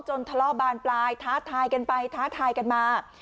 ทะเลาะบานปลายท้าทายกันไปท้าทายกันมา